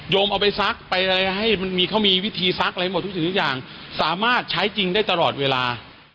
ยศมเอาไปซักไปให้ทุกอย่างสามารถใช้วิธีสักได้ตลอดเวลา